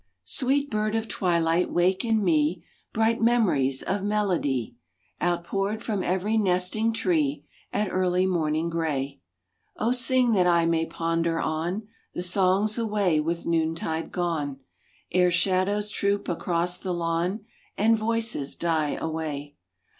Sweet bird of twilight wake in me Bright memories of melody Outpoured from every nesting tree At early morning gray. O sing that I may ponder on The songs away with noontide gone, Ere shadows troop across the lawn And voices die away.